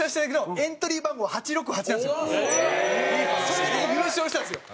それで優勝したんですよ。